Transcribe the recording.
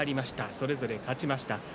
それぞれ勝ちました。